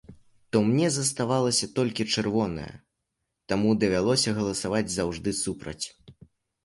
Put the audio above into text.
То мне заставалася толькі чырвоная, таму давялося галасаваць заўжды супраць.